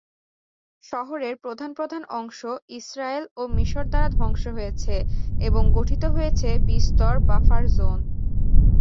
শহরের প্রধান প্রধান অংশ ইসরায়েল ও মিশর দ্বারা ধ্বংস হয়েছে এবং গঠিত হয়েছে বিস্তর বাফার জোন।